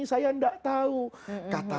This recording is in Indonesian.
saya nggak tahu kata